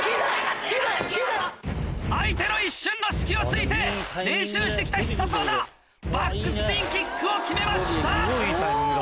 相手の一瞬の隙をついて練習して来た必殺技バックスピンキックを決めました！